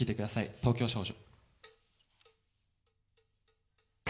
「東京少女」。